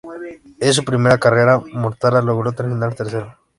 En su primera carrera, Mortara logró terminar tercero.